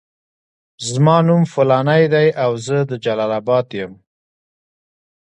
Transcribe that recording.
زما نوم فلانی دی او زه د جلال اباد یم.